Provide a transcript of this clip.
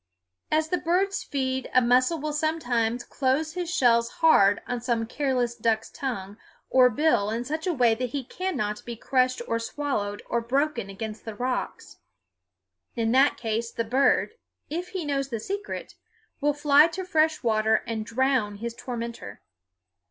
As the birds feed a mussel will sometimes close his shells hard on some careless duck's tongue or bill in such a way that he cannot be crushed or swallowed or broken against the rocks. In that case the bird, if he knows the secret, will fly to fresh water and drown his tormentor.